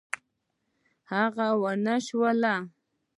هغه ونشوله.